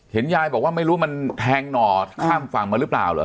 ยายบอกว่าไม่รู้มันแทงหน่อข้ามฝั่งมาหรือเปล่าเหรอ